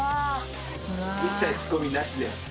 一切仕込みなしで。